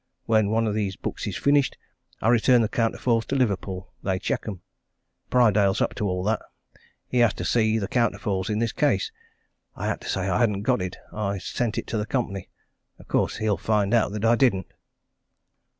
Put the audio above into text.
When one of these books is finished, I return the counterfoils to Liverpool they check 'em. Prydale's up to all that. He asked to see the counterfoil in this case. I had to say I hadn't got it I'd sent it to the Company. Of course, he'll find out that I didn't."